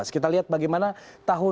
kita lihat bagaimana tahun